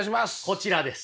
こちらです。